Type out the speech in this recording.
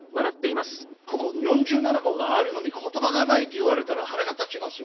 ここに４７個があるのに言葉がないって言われたら腹が立ちますよ